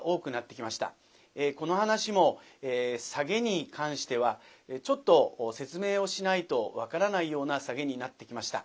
この噺もサゲに関してはちょっと説明をしないと分からないようなサゲになってきました。